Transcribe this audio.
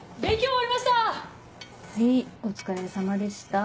はいお疲れさまでした。